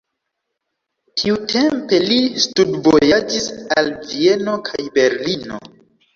Tiutempe li studvojaĝis al Vieno kaj Berlino.